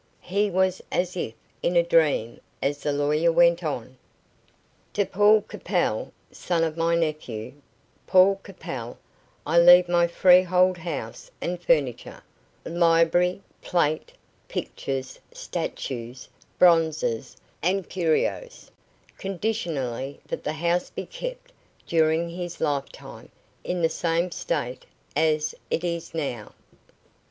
He was as if in a dream as the lawyer went on: "To Paul Capel, son of my nephew, Paul Capel, I leave my freehold house and furniture, library, plate, pictures, statues, bronzes, and curios, conditionally that the house be kept during his lifetime in the same state as it is in now.